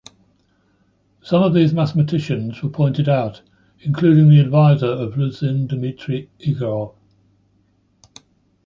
Some of these mathematicians were pointed out, including the advisor of Luzin, Dmitri Egorov.